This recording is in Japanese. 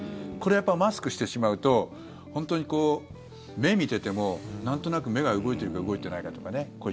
やっぱりマスクしてしまうと本当に目を見ていてもなんとなく目が動いてるか動いてないかとかね。